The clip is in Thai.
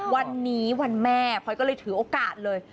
วันนี้วันแม่พลอยก็เลยถือโอกาสเลย